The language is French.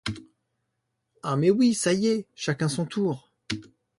Ah! mais, oui ! ça y est, chacun son tour.